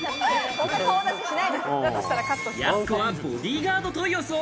やす子はボディーガードと予想。